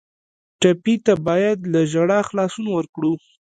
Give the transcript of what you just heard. ټپي ته باید له ژړا خلاصون ورکړو.